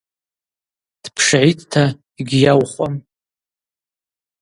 Дпшгӏитӏта – йгьйаухуам.